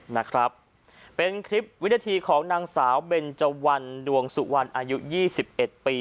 นะครับเป็นคลิปวินาทีของนางสาวเบนเจวันดวงสุวรรณอายุยี่สิบเอ็ดปี